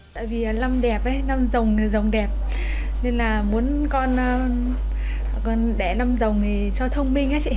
tại vì năm đẹp năm rồng thì rồng đẹp nên là muốn con đẻ năm rồng thì cho thông minh